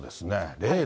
０度。